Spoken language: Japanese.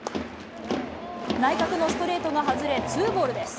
内角のストレートが外れ、ツーボールです。